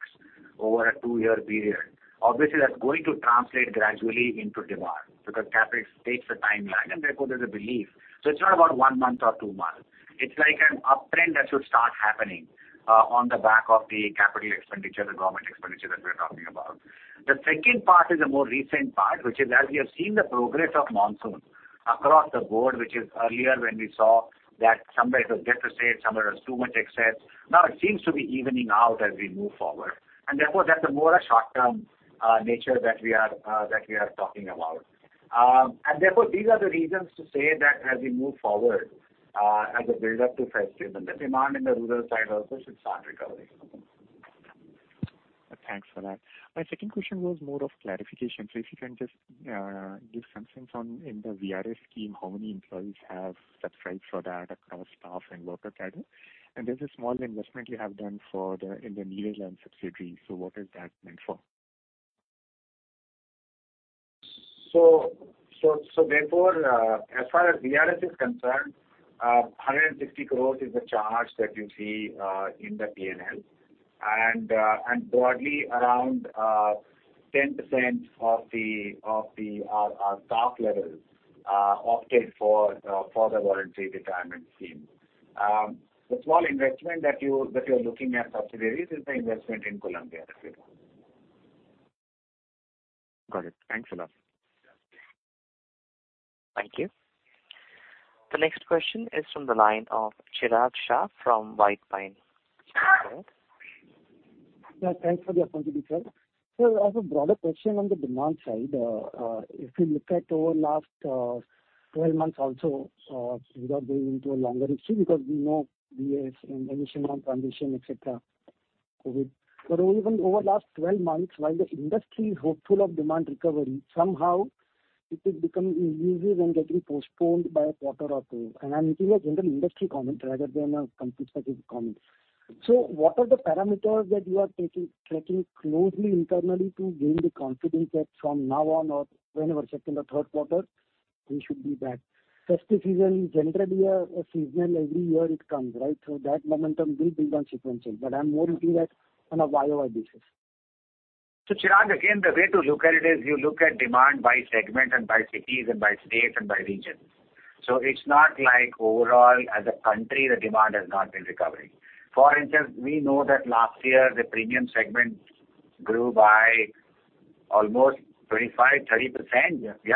over a 2-year period, obviously that's going to translate gradually into demand, because CapEx takes a timeline, and therefore there's a belief. So it's not about 1 month or 2 months. It's like an uptrend that should start happening on the back of the capital expenditure, the government expenditure that we're talking about. The second part is a more recent part, which is as we have seen the progress of monsoon across the board, which is earlier when we saw that somewhere it was deficit, somewhere it was too much excess. Now it seems to be evening out as we move forward, and therefore that's a more a short-term nature that we are that we are talking about. Therefore, these are the reasons to say that as we move forward, as a build-up to festival, the demand in the rural side also should start recovering. Thanks for that. My second question was more of clarification. If you can just give some sense on, in the VRS scheme, how many employees have subscribed for that across staff and worker category? There's a small investment you have done for the, in the Netherlands subsidiary. What is that meant for? Therefore, as far as VRS is concerned, 160 crore is the charge that you see in the P&L. Broadly, around 10% of the top levels opted for the voluntary retirement scheme. The small investment that you're looking at subsidiaries is the investment in Colombia, if you want. Got it. Thanks a lot. Thank you. The next question is from the line of Chirag Shah from White Pine. Yeah, thanks for the opportunity, sir. As a broader question on the demand side, if you look at over last 12 months also, without going into a longer issue, because we know BS and emission on transition, et cetera, COVID. Even over the last 12 months, while the industry is hopeful of demand recovery, somehow it is becoming easier and getting postponed by a quarter or 2. I'm giving a general industry comment rather than a company-specific comment. What are the parameters that you are tracking closely internally to gain the confidence that from now on or whenever, 2nd or 3rd quarter, we should be back? Festive season is generally a seasonal every year it comes, right? That momentum will build on sequentially, but I'm more looking at on a YOY basis. Chirag, again, the way to look at it is you look at demand by segment and by cities and by state and by region. It's not like overall as a country, the demand has not been recovering. For instance, we know that last year, the premium segment grew by almost 25%-30%, yeah,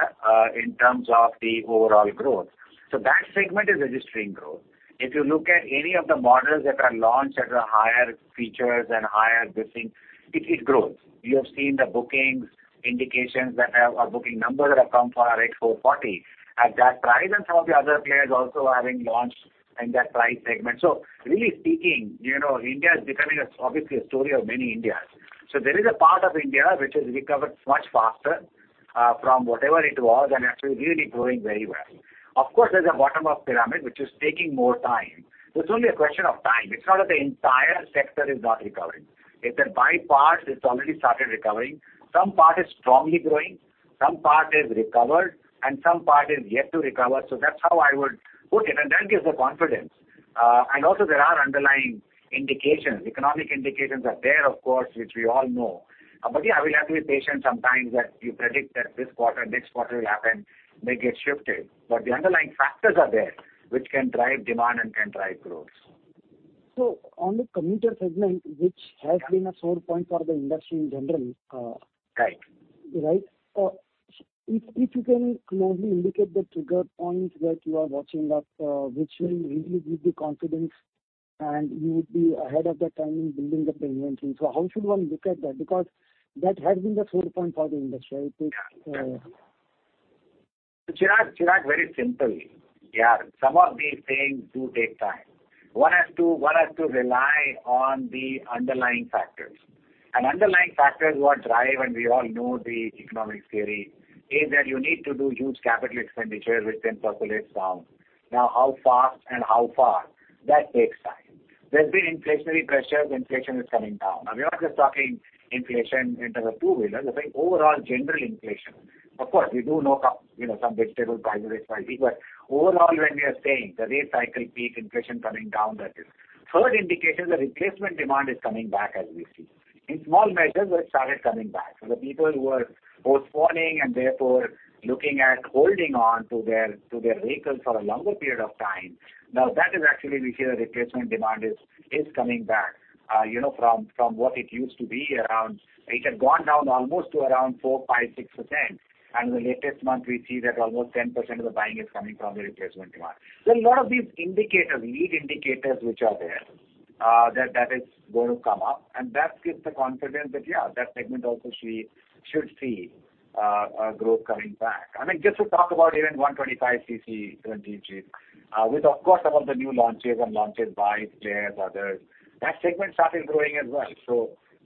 in terms of the overall growth. That segment is registering growth. If you look at any of the models that are launched at a higher features and higher this thing, it, it grows. You have seen the bookings, indications that have a booking number that have come for our H440. At that price, and some of the other players also are having launched in that price segment. Really speaking, you know, India is becoming a, obviously, a story of many Indias. There is a part of India which has recovered much faster, from whatever it was, and actually really growing very well. Of course, there's a bottom of pyramid, which is taking more time. It's only a question of time. It's not that the entire sector is not recovering. It's that by part, it's already started recovering. Some part is strongly growing, some part is recovered, and some part is yet to recover. That's how I would put it, and that gives the confidence. And also there are underlying indications. Economic indications are there, of course, which we all know. But yeah, we have to be patient sometimes that you predict that this quarter, next quarter will happen, may get shifted. But the underlying factors are there, which can drive demand and can drive growth. On the commuter segment, which has been a sore point for the industry in general... Right. Right? If, if you can closely indicate the trigger points that you are watching that, which will really give you confidence, and you would be ahead of the time in building up the inventory. How should one look at that? Because that has been the sore point for the industry. Yeah. Chirag, Chirag, very simple. Yeah, some of these things do take time. One has to, one has to rely on the underlying factors. Underlying factors what drive, and we all know the economics theory, is that you need to do huge capital expenditure, which then percolates down. Now, how fast and how far, that takes time. There's been inflationary pressures, inflation is coming down. We are not just talking inflation in terms of two-wheeler, we're saying overall general inflation. Of course, we do know, you know, some vegetable prices might be, but overall, when we are saying the rate cycle peak, inflation coming down, that is. Third indication, the replacement demand is coming back as we see. In small measures, it started coming back. The people who are postponing and therefore looking at holding on to their, to their vehicles for a longer period of time, now that is actually we see a replacement demand is, is coming back. You know, from, from what it used to be around, it had gone down almost to around 4%, 5%, 6%, and in the latest month, we see that almost 10% of the buying is coming from the replacement demand. There are a lot of these indicators, lead indicators, which are there, that, that is going to come up, and that gives the confidence that, yeah, that segment also should see a growth coming back. I mean, just to talk about even 125cc, 20 g, with of course, some of the new launches and launches by players, others, that segment started growing as well.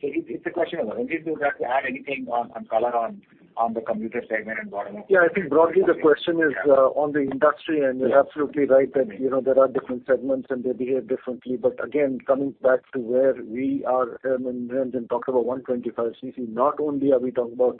It's, it's a question of Ranjit, do you have to add anything on, on color on, on the commuter segment and bottom up? Yeah, I think broadly, the question is on the industry, and you're absolutely right that, you know, there are different segments and they behave differently. Again, coming back to where we are, and talked about 125cc, not only are we talking about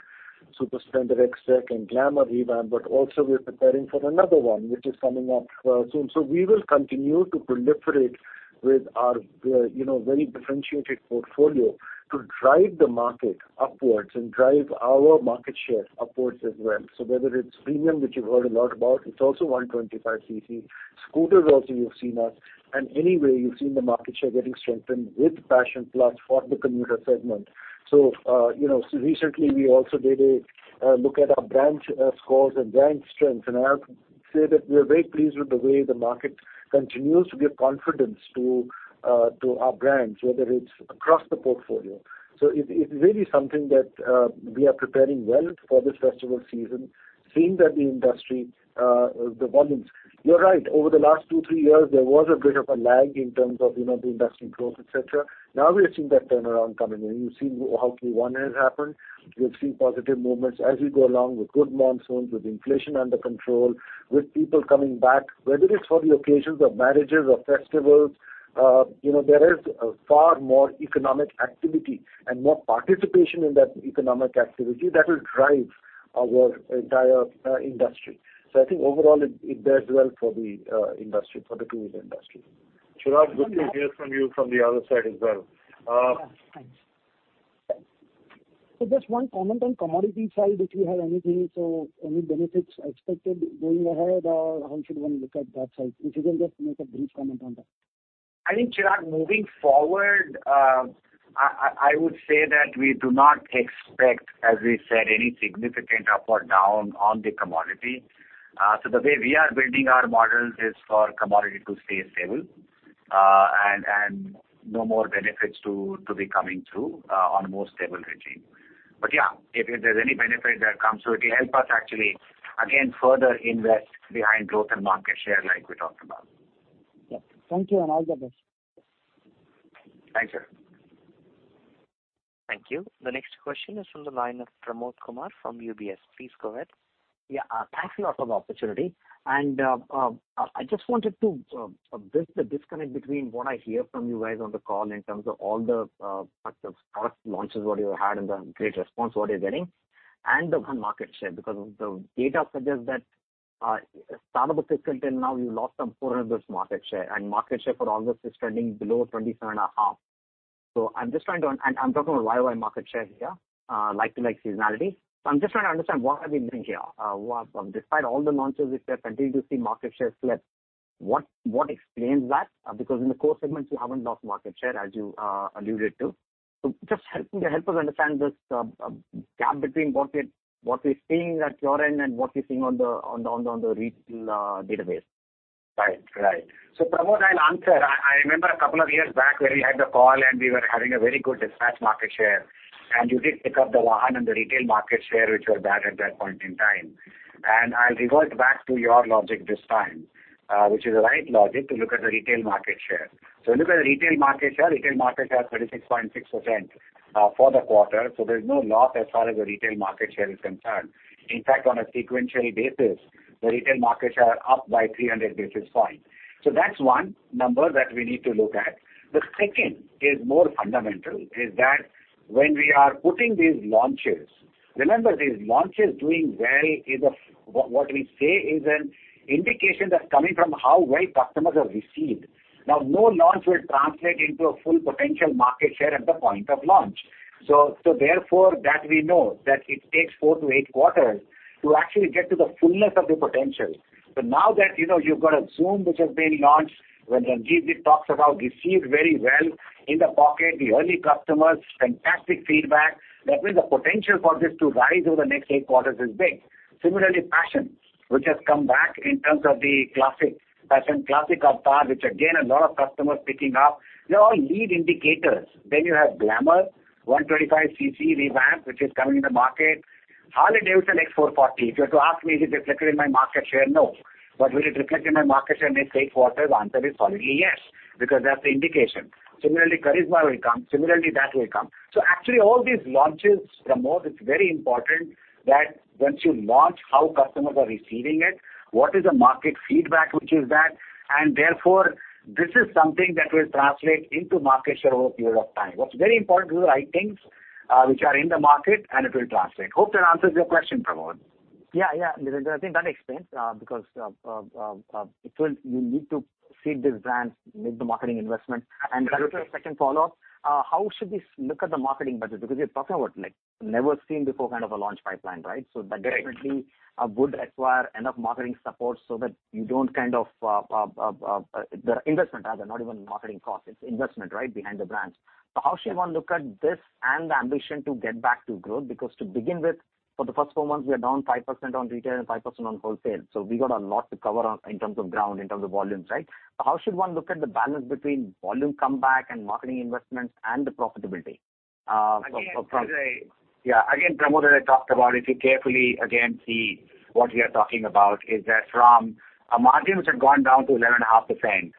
Super Splendor XTEC and Glamour revamp, but also we're preparing for another one, which is coming up soon. We will continue to proliferate with our, you know, very differentiated portfolio to drive the market upwards and drive our market share upwards as well. Whether it's premium, which you've heard a lot about, it's also 125cc. Scooters also, you've seen us, and anyway, you've seen the market share getting strengthened with Passion Plus for the commuter segment. You know, recently we also did a look at our branch scores and branch strengths, and I have to say that we are very pleased with the way the market continues to give confidence to our brands, whether it's across the portfolio. It's really something that we are preparing well for this festival season, seeing that the industry, the volumes. You're right, over the last two, three years, there was a bit of a lag in terms of, you know, the industry growth, et cetera. Now we are seeing that turnaround coming in. You've seen how Q1 has happened. We've seen positive movements as we go along with good monsoons, with inflation under control, with people coming back. Whether it's for the occasions of marriages or festivals, you know, there is a far more economic activity and more participation in that economic activity that will drive our entire industry. I think overall, it, it does well for the industry, for the two-wheeler industry. Chirag, good to hear from you from the other side as well. Thanks. Just one comment on commodity side, if you have anything, so any benefits expected going ahead, or how should one look at that side? If you can just make a brief comment on that. I think, Chirag, moving forward, I, I, I would say that we do not expect, as we said, any significant up or down on the commodity. The way we are building our models is for commodity to stay stable, and, and no more benefits to, to be coming through, on a more stable regime. Yeah, if, if there's any benefit that comes through, it will help us actually, again, further invest behind growth and market share like we talked about. Yeah. Thank you, and all the best. Thanks, sir. Thank you. The next question is from the line of Pramod Kumar from UBS. Please go ahead. Yeah, thanks a lot for the opportunity. I just wanted to bridge the disconnect between what I hear from you guys on the call in terms of all the parts of product launches, what you had and the great response what you're getting. The one market share, because of the data suggests that start of the fiscal till now, we've lost some 400 market share, and market share for August is trending below 27.5. I'm just trying to un- and I'm talking about YOY market share here, like, to like seasonality. I'm just trying to understand what have we been here? What, despite all the launches, we continue to see market share slip. What, what explains that? Because in the core segments, you haven't lost market share, as you alluded to. Just help, help us understand this gap between what we, what we're seeing at your end and what we're seeing on the, on the, on the retail database. Right. Right. Pramod, I'll answer. I, I remember a couple of years back where we had the call, and we were having a very good dispatch market share, and you did pick up the VAHAN and the retail market share, which were bad at that point in time. I'll revert back to your logic this time, which is the right logic to look at the retail market share. Look at the retail market share. Retail market share, 36.6%, for the quarter, so there's no loss as far as the retail market share is concerned. In fact, on a sequentially basis, the retail market share up by 300 basis points. That's one number that we need to look at. The second is more fundamental, is that when we are putting these launches, remember, these launches doing well is what we say is an indication that's coming from how well customers have received. Now, no launch will translate into a full potential market share at the point of launch. Therefore, that we know that it takes four to eight quarters to actually get to the fullness of the potential. Now that, you know, you've got a Xoom, which has been launched, when Ranjivjit talks about received very well in the pocket, the early customers, fantastic feedback. That means the potential for this to rise over the next eight quarters is big. Similarly, Passion, which has come back in terms of the classic, Passion classic avatar, which again, a lot of customers picking up. They're all lead indicators. You have Glamour, 125cc revamp, which is coming in the market. Harley-Davidson X440. If you were to ask me, is it reflected in my market share? No. Will it reflect in my market share in the next 8 quarters? The answer is solidly, yes, because that's the indication. Similarly, Karizma will come. Similarly, that will come. Actually, all these launches, Pramod, it's very important that once you launch, how customers are receiving it, what is the market feedback, which is that, and therefore, this is something that will translate into market share over a period of time. What's very important, do the right things, which are in the market, and it will translate. Hope that answers your question, Pramod. Yeah, yeah, I think that explains, because, it will you need to seed this brand, make the marketing investment. Correct. Second follow-up, how should we look at the marketing budget? Because you're talking about, like, never seen before, kind of a launch pipeline, right? Yes. That definitely would require enough marketing support so that you don't kind of, the investment, rather, not even marketing costs, it's investment, right, behind the brands. How should one look at this and the ambition to get back to growth? Because to begin with, for the first four months, we are down 5% on retail and 5% on wholesale. We got a lot to cover on in terms of ground, in terms of volumes, right? How should one look at the balance between volume comeback and marketing investments and the profitability, from- Pramod, yeah, Pramod, I talked about if you carefully again, see what we are talking about is that from a margin which had gone down to 11.5%,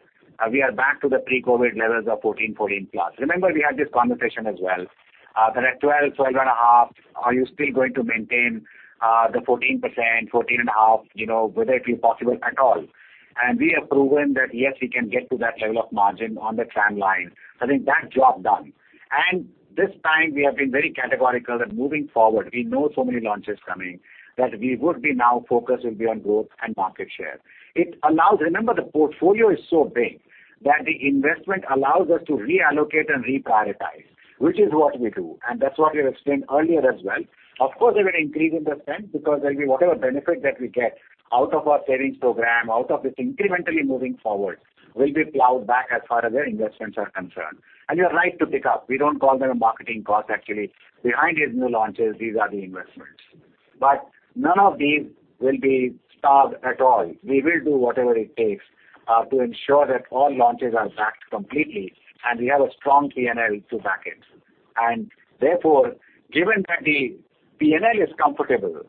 we are back to the pre-COVID levels of 14, 14+. Remember, we had this conversation as well. There are 12, 12.5. Are you still going to maintain the 14%, 14.5%, you know, whether it be possible at all? We have proven that, yes, we can get to that level of margin on the tram line. I think that job done. This time, we have been very categorical that moving forward, we know so many launches coming, that we would be now focused will be on growth and market share. It allows-- Remember, the portfolio is so big that the investment allows us to reallocate and reprioritize, which is what we do, and that's what we explained earlier as well. Of course, we are increasing the spend, because there'll be whatever benefit that we get out of our savings program, out of this incrementally moving forward, will be plowed back as far as the investments are concerned. You're right to pick up. We don't call them a marketing cost actually. Behind these new launches, these are the investments. None of these will be starved at all. We will do whatever it takes to ensure that all launches are backed completely, and we have a strong P&L to back it. Given that the P&L is comfortable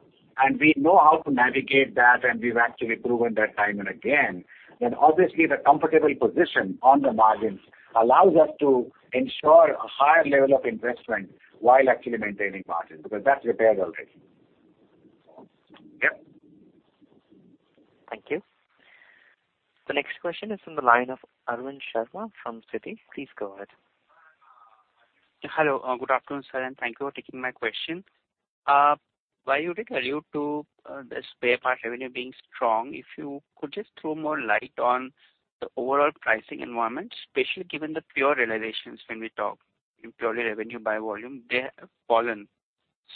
and we know how to navigate that, and we've actually proven that time and again, then obviously, the comfortable position on the margins allows us to ensure a higher level of investment while actually maintaining margin, because that's repaired already. Yep. Thank you. The next question is from the line of Arvind Sharma from Citi. Please go ahead. Hello, good afternoon, sir, and thank you for taking my question. While you did allude to, the spare part revenue being strong, if you could just throw more light on the overall pricing environment, especially given the pure realizations when we talk in purely revenue by volume, they have fallen.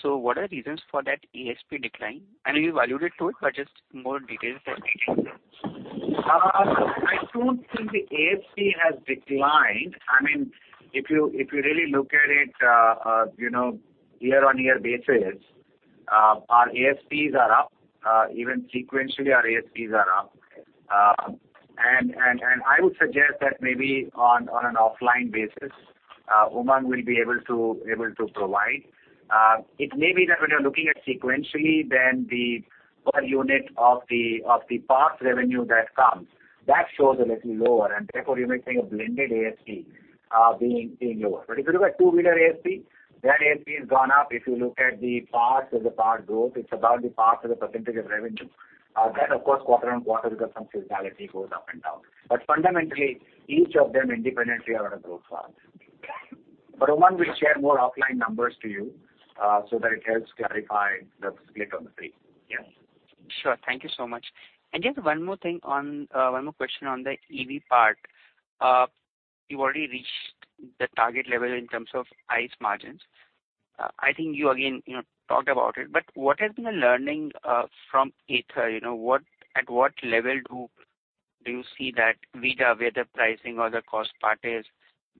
What are the reasons for that ASP decline? You valued it to it, but just more details that we can get. I don't think the ASP has declined. I mean, if you, if you really look at it, you know, year-on-year basis, our ASPs are up, even sequentially, our ASPs are up. And, and I would suggest that maybe on, on an offline basis, Umang will be able to, able to provide. It may be that when you're looking at sequentially, then the per unit of the, of the parts revenue that comes, that shows a little lower, and therefore, you may think a blended ASP, being, being lower. If you look at two-wheeler ASP, that ASP has gone up. If you look at the parts as a part growth, it's about the parts as a percentage of revenue. That, of course, quarter-on-quarter, because some seasonality goes up and down. Fundamentally, each of them independently are on a growth path. Arvind, we'll share more offline numbers to you, so that it helps clarify the split on the 3. Yeah? Sure. Thank you so much. Just one more thing on, one more question on the EV part. You already reached the target level in terms of ICE margins. I think you again, you know, talked about it, but what has been the learning from Ather? You know, at what level do you see that VIDA, where the pricing or the cost part is?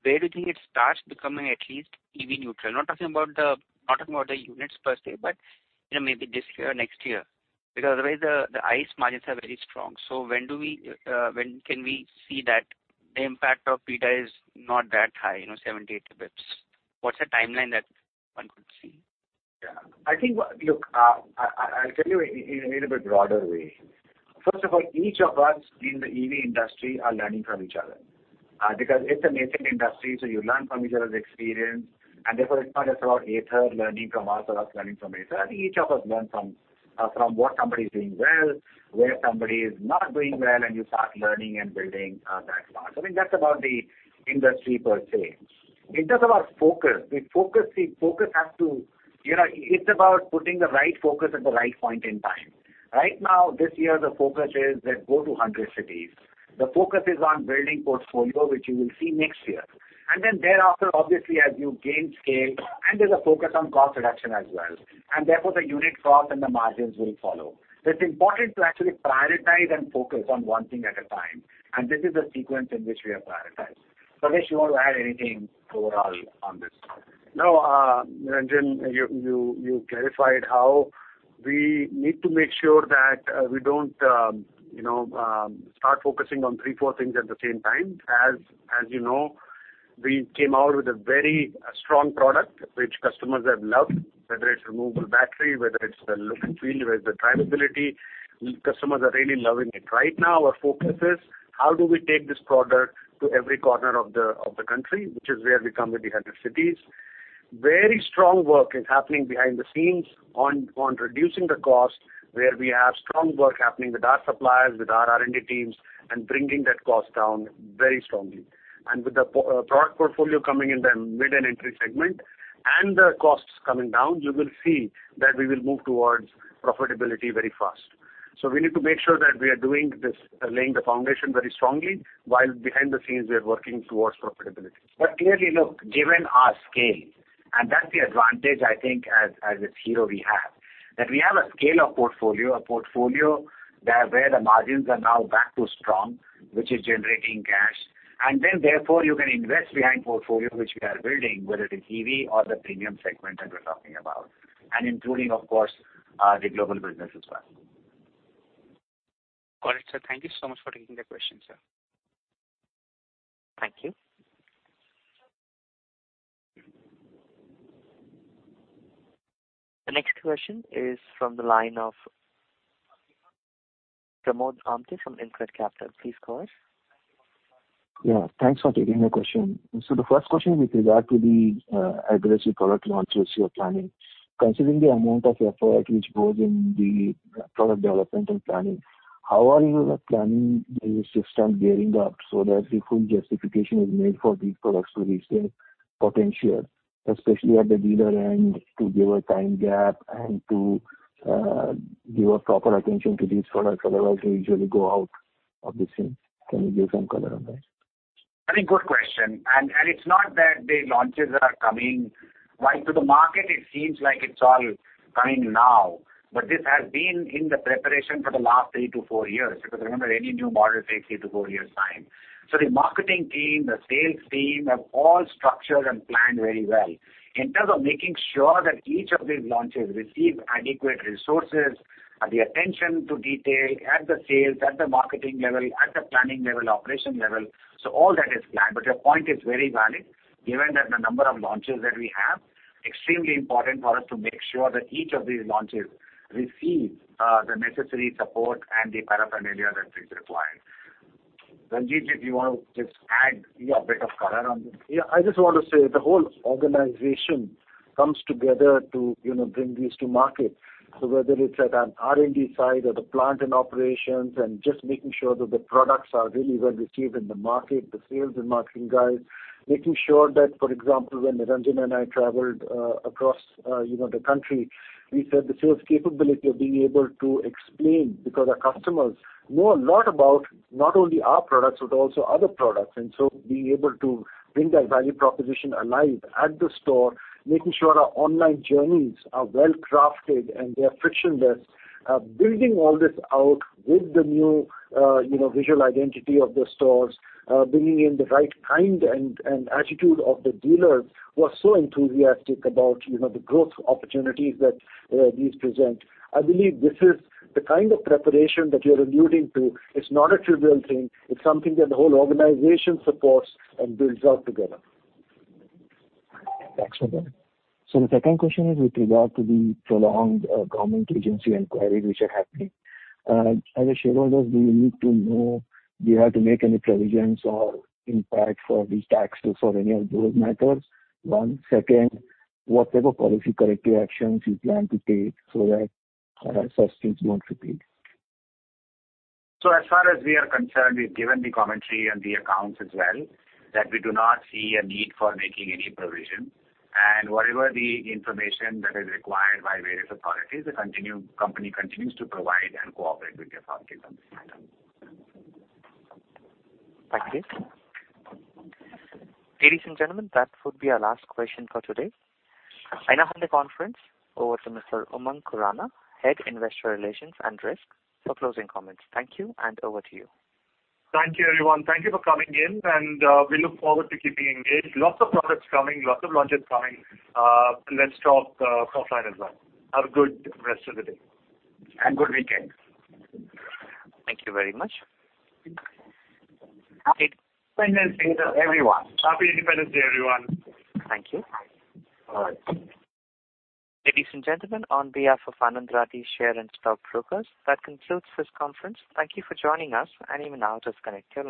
Where do you think it starts becoming at least EV neutral? Not talking about the units per se, but, you know, maybe this year or next year. Otherwise, ICE margins are very strong. When do we, when can we see that the impact of VIDA is not that high, you know, 70, 80 basis points? What's the timeline that one could see? Yeah. I think, Look, I, I, I'll tell you in, in a little bit broader way. First of all, each of us in the EV industry are learning from each other, because it's a nascent industry, so you learn from each other's experience, and therefore, it's not just about Ather learning from us or us learning from Ather. I think each of us learn from, from what somebody is doing well, where somebody is not doing well, and you start learning and building, that part. I think that's about the industry per se. In terms of our focus, the focus, the focus has to, you know, it's about putting the right focus at the right point in time. Right now, this year, the focus is that go to 100 cities. The focus is on building portfolio, which you will see next year. Then thereafter, obviously, as you gain scale, and there's a focus on cost reduction as well, and therefore, the unit cost and the margins will follow. It's important to actually prioritize and focus on one thing at a time, and this is the sequence in which we have prioritized. Rajesh, you want to add anything overall on this? No, Niranjan, you, you, you clarified how we need to make sure that we don't, you know, start focusing on 3, 4 things at the same time. As, as you know, we came out with a very strong product, which customers have loved, whether it's removable battery, whether it's the look and feel, whether it's the drivability, customers are really loving it. Right now, our focus is how do we take this product to every corner of the, of the country, which is where we come with the 100 cities. Very strong work is happening behind the scenes on, on reducing the cost, where we have strong work happening with our suppliers, with our R&D teams, and bringing that cost down very strongly. With the product portfolio coming in the mid and entry segment and the costs coming down, you will see that we will move towards profitability very fast. We need to make sure that we are doing this, laying the foundation very strongly, while behind the scenes, we are working towards profitability. Clearly, look, given our scale, and that's the advantage I think as, as a Hero we have, that we have a scale of portfolio, a portfolio that where the margins are now back to strong, which is generating cash. Therefore, you can invest behind portfolio, which we are building, whether it is EV or the premium segment that we're talking about, and including, of course, the global business as well. Got it, sir. Thank you so much for taking the question, sir. Thank you. The next question is from the line of Pramod Amte from InCred Capital. Please go ahead. Yeah, thanks for taking my question. The first question with regard to the aggressive product launches you are planning. Considering the amount of effort which goes in the product development and planning, how are you planning the system gearing up so that the full justification is made for these products to reach their potential, especially at the dealer end, to give a time gap and to give a proper attention to these products? Otherwise, they usually go out of the scene. Can you give some color on that? I think, good question. It's not that the launches are coming. While to the market, it seems like it's all coming now, this has been in the preparation for the last 3 to 4 years. Because remember, any new model takes 3 to 4 years' time. The marketing team, the sales team, have all structured and planned very well. In terms of making sure that each of these launches receive adequate resources, the attention to detail at the sales, at the marketing level, at the planning level, operation level, all that is planned. Your point is very valid, given that the number of launches that we have, extremely important for us to make sure that each of these launches receive the necessary support and the paraphernalia that is required. Ranjit, if you want to just add a bit of color on this. Yeah, I just want to say the whole organization comes together to, you know, bring these to market. Whether it's at an R&D side or the plant and operations and just making sure that the products are really well received in the market, the sales and marketing guys, making sure that, for example, when Niranjan and I traveled across, you know, the country, we said the sales capability of being able to explain because our customers know a lot about not only our products, but also other products. Being able to bring that value proposition alive at the store, making sure our online journeys are well crafted and they are frictionless, building all this out with the new, you know, visual identity of the stores, bringing in the right kind and, and attitude of the dealers who are so enthusiastic about, you know, the growth opportunities that these present. I believe this is the kind of preparation that you're alluding to. It's not a trivial thing. It's something that the whole organization supports and builds out together. Thanks for that. The second question is with regard to the prolonged government agency inquiry which are happening. As a shareholder, do you need to know, do you have to make any provisions or impact for these taxes or any of those matters? One. Second, what type of policy corrective actions you plan to take so that such things won't repeat? As far as we are concerned, we've given the commentary and the accounts as well, that we do not see a need for making any provision. Whatever the information that is required by various authorities, the company continues to provide and cooperate with the authorities on this item. Thank you. Ladies and gentlemen, that would be our last question for today. I now hand the conference over to Mr. Umang Khurana, Head, Investor Relations and Risk, for closing comments. Thank you, and over to you. Thank you, everyone. Thank you for coming in, and we look forward to keeping engaged. Lots of products coming, lots of launches coming. Let's talk offline as well. Have a good rest of the day. Good weekend. Thank you very much. Happy Independence Day to everyone. Happy Independence Day, everyone. Thank you. All right. Ladies and gentlemen, on behalf of Anand Rathi Shares and Stock Brokers, that concludes this conference. Thank you for joining us, and you may now disconnect your lines.